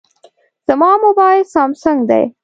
زما موبایل سامسونګ دی.